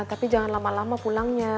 tapi jangan lama lama pulangnya